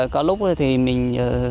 có lúc thì mình